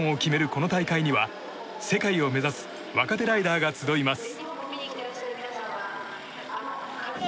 この大会には世界を目指す若手ライダーが集います。